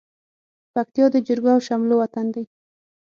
پکتيا د جرګو او شملو وطن دى.